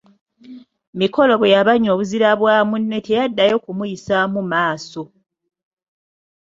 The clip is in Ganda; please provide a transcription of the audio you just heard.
Mikolo bwe yamanya obuzira bwa munne teyaddayo kumuyisaamu maaso.